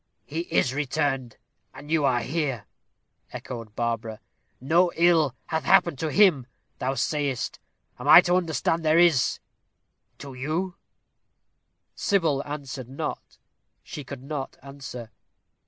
"He is returned, and you are here," echoed Barbara. "No ill hath happened to him, thou sayest am I to understand there is to you?" Sybil answered not. She could not answer.